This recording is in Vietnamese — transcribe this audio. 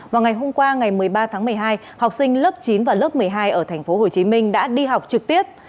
vào ngày hôm qua ngày một mươi ba tháng một mươi hai học sinh lớp chín và lớp một mươi hai ở tp hcm đã đi học trực tiếp